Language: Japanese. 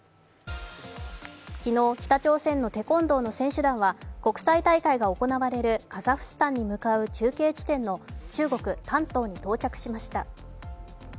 昨日、北朝鮮のテコンドーの選手団は国際大会がおこなわれるカザフスタンに向かう中継地点の中国・丹東に到着しました。